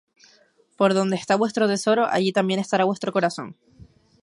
Porque donde está vuestro tesoro, allí también estará vuestro corazón.